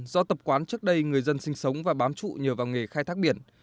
do tập quán trước đây người dân sinh sống và bám trụ nhờ vào nghề khai thác biển